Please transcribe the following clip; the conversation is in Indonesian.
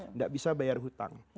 tidak bisa bayar hutang